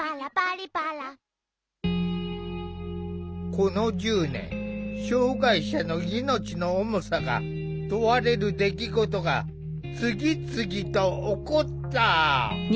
この１０年障害者の命の重さが問われる出来事が次々と起こった。